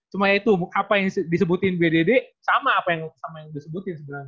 cuma ya itu apa yang disebutin bdd sama apa yang disebutin